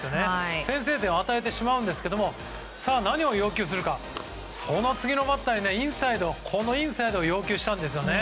先制点を与えてしまうんですが何を要求するかその次のバッターにインサイドを要求したんです。